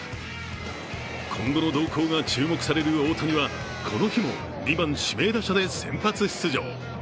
今後の動向が注目される大谷はこの日も２番・指名打者で先発出場。